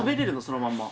そのまんま。